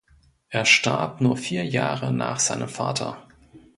Er starb nur vier Jahre nach seinem Vater.